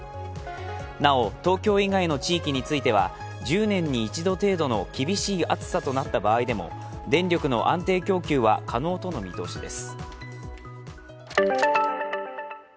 なお、東京以外の地域については１０年に１度程度の厳しい暑さとなった場合でも電力の安定供給は可能との見通しです。